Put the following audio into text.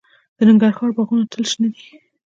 د ننګرهار باغونه تل شنه دي.